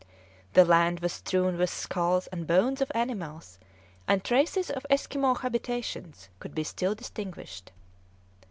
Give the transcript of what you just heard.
The land was strewn with skulls and bones of animals, and traces of Esquimaux habitations could be still distinguished.